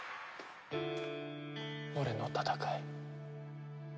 俺の戦い。